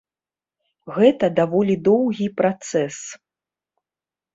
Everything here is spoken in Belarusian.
Гэта даволі доўгі працэс.